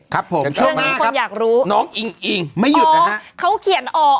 ครับผมช่วงหน้าครับน้องอิงไม่หยุดนะฮะอ๋อเขาเขียนอ๋อ